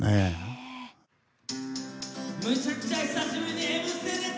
むちゃくちゃ久しぶりに『Ｍステ』です。